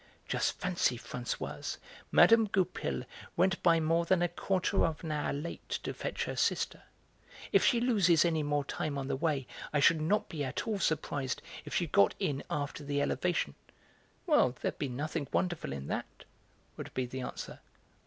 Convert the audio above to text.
"Just fancy, Françoise, Mme. Goupil went by more than a quarter of an hour late to fetch her sister: if she loses any more time on the way I should not be at all surprised if she got in after the Elevation." "Well, there'd be nothing wonderful in that," would be the answer.